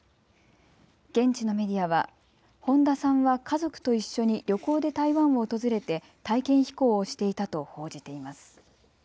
現地のメディアは本田さんは家族と一緒に旅行で台湾を訪れて体験飛行をしていたと報じています。